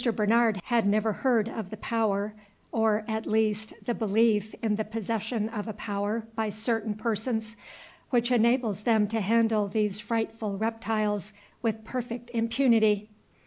Bernard had never heard of the power, or, at least, the belief in the possession of a power by certain persons, which enables them to handle these frightful reptiles with perfect impunity.